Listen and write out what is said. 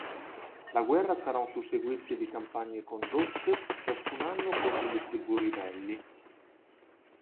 La guerra sarà un susseguirsi di campagne condotte ciascun anno contro le tribù ribelli.